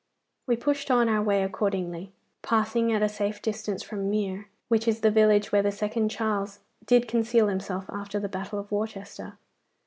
We pushed on our way accordingly, passing at a safe distance from Mere, which is the village where the second Charles did conceal himself after the battle of Worcester.